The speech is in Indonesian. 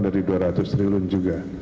jadi dua ratus triliun juga